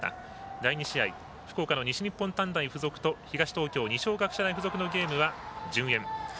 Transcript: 第２試合福岡の西日本短大付属と東東京、二松学舎大付属のゲーム順延。